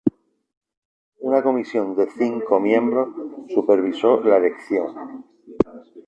Una comisión de cinco miembros supervisó la elección.